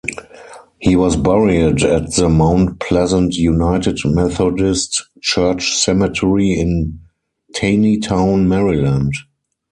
He was buried at the Mount Pleasant United Methodist Church Cemetery in Taneytown, Maryland.